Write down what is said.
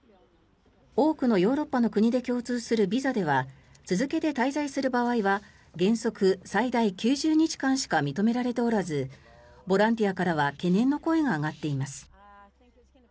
多くのヨーロッパの国で共通するビザでは続けて滞在する場合は原則、最大９０日間しか認められておらずボランティアからは懸念の声が上がっています。